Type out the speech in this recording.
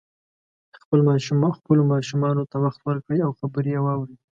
خپلو ماشومانو ته وخت ورکړئ او خبرې یې واورئ